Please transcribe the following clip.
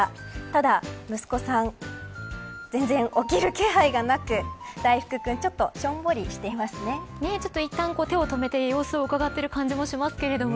ただ息子さん全然起きる気配がなくダイフクくん、ちょっとちょっといったん手を止めて様子をうかがっている感じもしますけど。